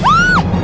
mas ini dia